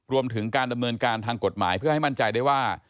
รวมถึงการดำเนินการทางกฎหมายเพื่อให้มั่นใจได้ว่า